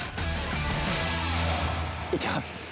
いきます。